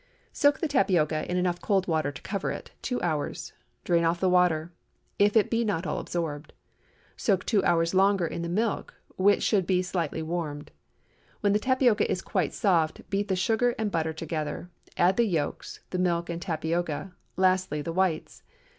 Soak the tapioca, in enough cold water to cover it, two hours; drain off the water, if it be not all absorbed; soak two hours longer in the milk, which should be slightly warmed. When the tapioca is quite soft, beat the sugar and butter together; add the yolks, the milk and tapioca, lastly the whites.